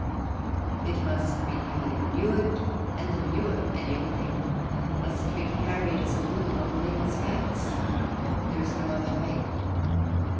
It must be heavily manured, and the manure and everything must be carried as a rule on men's backs. There is no other way.